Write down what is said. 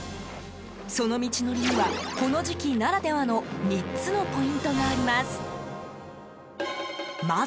その道のりにはこの時期ならではの３つのポイントがあります。